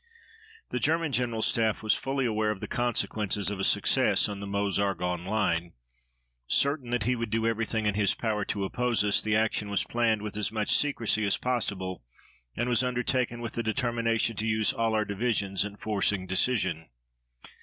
The German General Staff was fully aware of the consequences of a success on the Meuse Argonne line. Certain that he would do everything in his power to oppose us, the action was planned with as much secrecy as possible and was undertaken with the determination to use all our divisions in forcing decision.